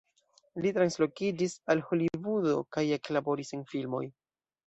Li translokiĝis al Holivudo kaj eklaboris en filmoj.